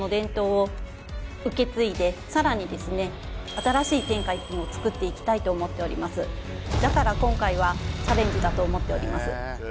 新しい天下一品をつくっていきたいと思っておりますだから今回はチャレンジだと思っております